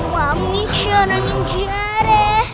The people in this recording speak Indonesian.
kamu bisa jadiin keras